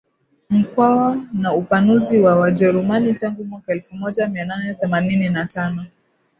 Mkwawa na upanuzi wa Wajerumani tangu mwaka elfu moja mia nane themanini na tano